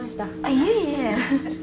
いえいえ。